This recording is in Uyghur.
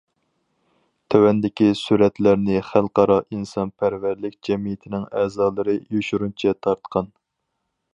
تۆۋەندىكى سۈرەتلەرنى خەلقئارا ئىنسانپەرۋەرلىك جەمئىيىتىنىڭ ئەزالىرى يوشۇرۇنچە تارتقان.